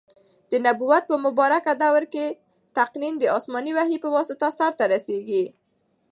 د نبوت په مبارکه دور کي تقنین د اسماني وحي په واسطه سرته رسیږي.